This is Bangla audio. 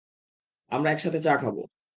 আমরা একসাথে চা খাব।